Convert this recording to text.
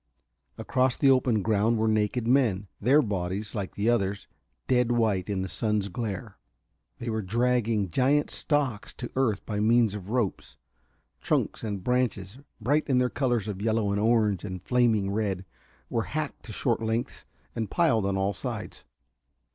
Across the open ground were naked men, their bodies, like these others, dead white in the sun's glare. They were dragging giant stalks to earth by means of ropes. Trunks and branches, bright in their colors of yellow and orange and flaming red, were hacked to short lengths and piled on all sides.